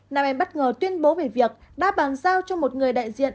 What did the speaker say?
nam em bất ngờ tuyên bố về việc đã bàn giao cho một người đại diện